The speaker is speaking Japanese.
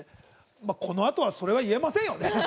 このあとはそれは言えませんよね。